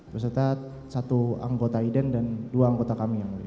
beserta satu anggota iden dan dua anggota kami yang mulia